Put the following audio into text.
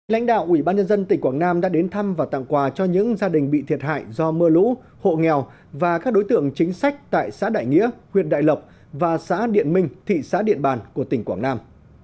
lãnh đạo ủy ban nhân dân tỉnh quảng nam đã đến thăm và tặng quà cho những gia đình bị thiệt hại do mưa lũ hộ nghèo và các đối tượng chính sách tại xã đại nghĩa huyện đại lộc và xã điện minh thị xã điện bàn của tỉnh quảng nam